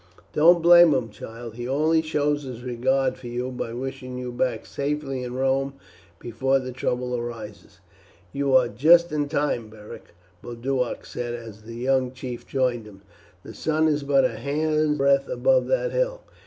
Don't blame him, child; he only shows his regard for you, by wishing you back safely in Rome before trouble arises." "You are just in time, Beric," Boduoc said as the young chief joined him. "The sun is but a hand's breadth above that hill.